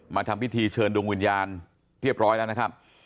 ทำพิธีเชิญดวงวิญญาณเรียบร้อยแล้วนะครับ